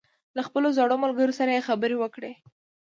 له خپلو زړو ملګرو سره یې خبرې وکړې.